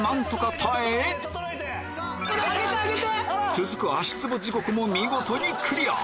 続く足つぼ地獄も見事にクリア